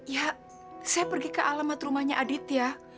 ya saya pergi ke alamat rumahnya aditya